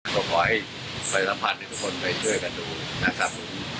เราขอให้ไฟรัภัณฑ์ที่ทุกคนไปช่วยกันดูนะครับ